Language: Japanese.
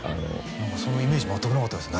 そのイメージ全くなかったですね